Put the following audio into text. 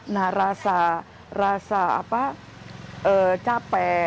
nah rasa rasa apa capek